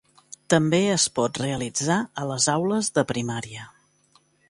També es pot realitzar a les aules de primària.